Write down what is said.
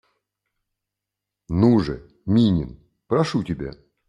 Ну же, Минни, прошу тебя.